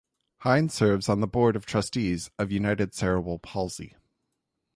Hines serves on the Board of Trustees of United Cerebral Palsy.